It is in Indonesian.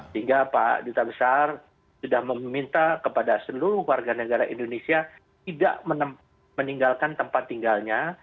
sehingga pak duta besar sudah meminta kepada seluruh warga negara indonesia tidak meninggalkan tempat tinggalnya